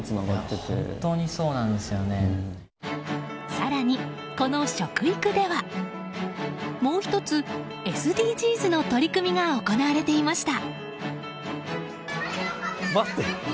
更に、この食育ではもう１つ、ＳＤＧｓの取り組みが行われてました。